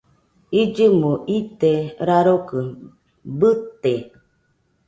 Illɨmo ite rarokɨ bɨte